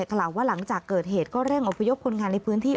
กล่าวว่าหลังจากเกิดเหตุก็เร่งอพยพคนงานในพื้นที่